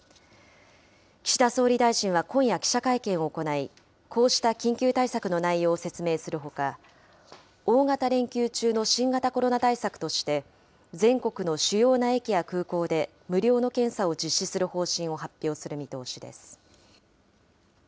岸田総理大臣は今夜、記者会見を行い、こうした緊急対策の内容を説明するほか、大型連休中の新型コロナ対策として、全国の主要な駅や空港で無料の検査を実施する方針を発表する見通しです。